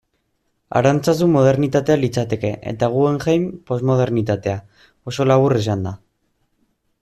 Arantzazu modernitatea litzateke, eta Guggenheim, posmodernitatea, oso labur esanda.